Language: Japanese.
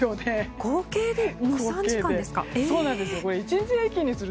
合計で３時間ですか。